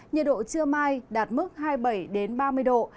nhiệt độ trưa mai đạt mức hai mươi bảy ba mươi độ